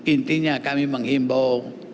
intinya kami menghimbau